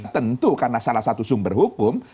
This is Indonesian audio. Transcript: tentu karena salah satu sumber hukum